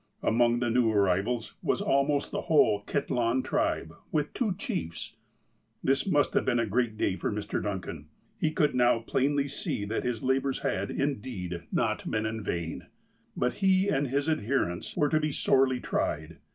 Among the new arrivals was almost the whole Kitlahn tribe, with two chiefs. This must have been a great day for Mr. Duncan. He could now plainly see that his labours had, indeed, not been in vain. But he and his adherents were to be sorely tried.